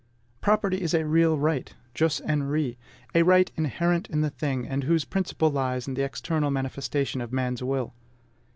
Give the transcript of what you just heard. Property is a real right, jus in re, a right inherent in the thing, and whose principle lies in the external manifestation of man's will.